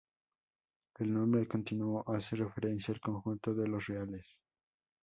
El nombre "continuo" hace referencia al conjunto de los reales.